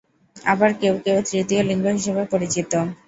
আবার কেউ কেউ তৃতীয় লিঙ্গ হিসেবে পরিচিত।